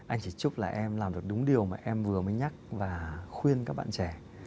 anh chỉ trúc là em làm được đúng điều mà em vừa mới nhắc và khuyên các bạn trẻ